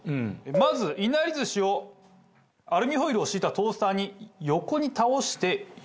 まずいなり寿司をアルミホイルを敷いたトースターに横に倒して入れます。